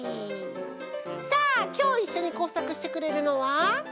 さあきょういっしょにこうさくしてくれるのは。